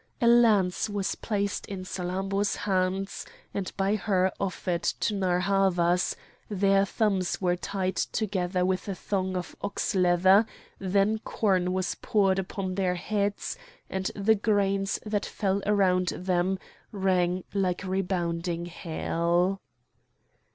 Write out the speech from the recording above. A lance was placed in Salammbô's hands and by her offered to Narr' Havas; their thumbs were tied together with a thong of ox leather; then corn was poured upon their heads, and the grains that fell around them rang like rebounding hail.